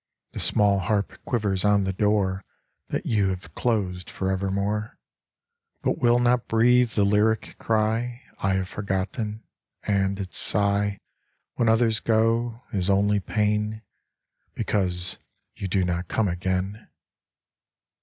The small harp quivers on the door That you have closed forevermore, But will not breathe the lyric cry I have forgotten ; and its sigh When others go, is only pain Because you do not come again.